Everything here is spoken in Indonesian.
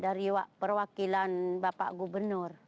dari perwakilan bapak gubernur